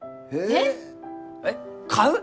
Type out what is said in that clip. えっ？えっ？買う！？